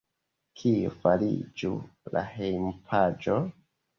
Kio fariĝu la hejmpaĝo?